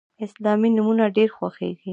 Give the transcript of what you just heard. اسلامي نومونه ډیر خوښیږي.